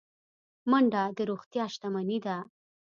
منډه د روغتیا شتمني ده